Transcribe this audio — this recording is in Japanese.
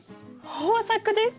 豊作です！